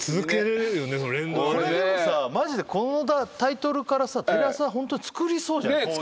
これでもさマジでこのタイトルからさテレ朝ホントに作りそうじゃん。